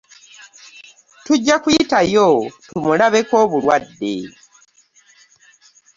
Tujja kuyitayo tumulabeko obulwadde.